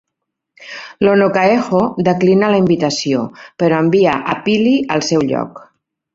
Lonokaeho declina la invitació, però envia a Pili al seu lloc.